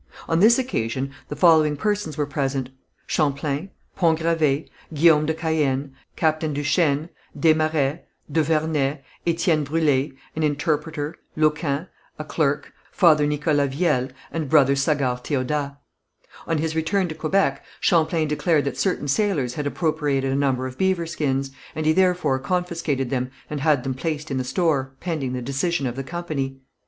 On this occasion the following persons were present: Champlain, Pont Gravé, Guillaume de Caën, Captain Duchesne, des Marets, De Vernet, Étienne Brûlé, an interpreter, Loquin, a clerk, Father Nicholas Viel, and Brother Sagard Théodat. On his return to Quebec, Champlain declared that certain sailors had appropriated a number of beaver skins, and he therefore confiscated them and had them placed in the store, pending the decision of the company.